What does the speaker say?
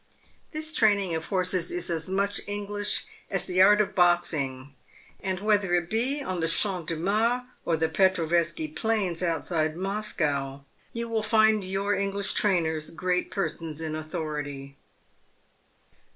This training of horses is as much English as the art of boxing, and whether it be on the Champ de Mars, or the Petroveski plains outside Moscow, you will find your English trainers great persons in authority.